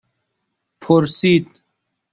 پرسید